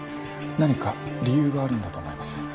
何か理由があるんだと思います。